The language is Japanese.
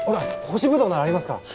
干しブドウならありますから。